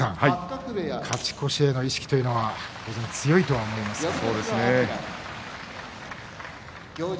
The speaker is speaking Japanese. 勝ち越しへの意識というのは当然、強いとは思いますが。